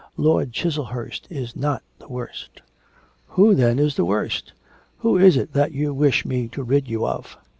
Lord Chiselhurst is not the worst.' 'Who, then, is the worst? Who is it that you wish me to rid you of?'